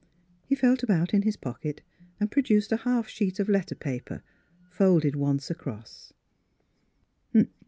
" He felt about in his pocket and pro duced a half sheet of letter paper, folded once across.